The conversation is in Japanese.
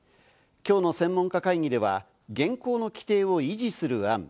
今日の専門家会議では現行の規定を維持する案。